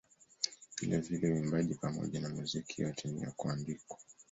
Vilevile uimbaji pamoja na muziki yote ni ya kuandikwa.